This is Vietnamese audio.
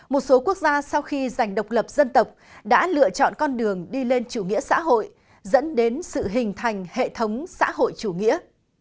một số quốc gia sau khi giành độc lập dân tộc đã lựa chọn con đường đi lên chủ nghĩa xã hội dẫn đến sự hình thành hệ thống xã hội chủ nghĩa